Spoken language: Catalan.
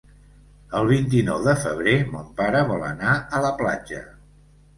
El vint-i-nou de febrer mon pare vol anar a la platja.